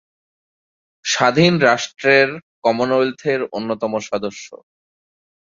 স্বাধীন রাষ্ট্রের কমনওয়েলথের অন্যতম সদস্য।